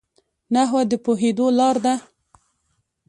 نحوه د پوهېدو لار ده.